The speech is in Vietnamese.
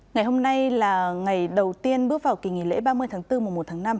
ngày hôm nay là ngày đầu tiên bước vào kỳ nghỉ lễ ba mươi tháng bốn mùa một tháng năm